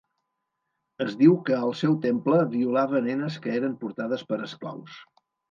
Es diu que al seu temple violava nenes que eren portades per esclaus.